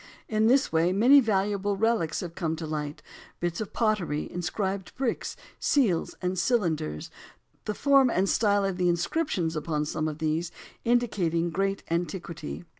In this way many valuable relics have come to light; bits of pottery, inscribed bricks, seals and cylinders, the form and style of the inscriptions upon some of these indicating great antiquity.